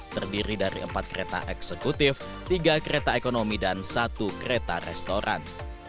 terdiri dari empat kereta eksekutif tiga kereta ekonomi dan satu kereta restoran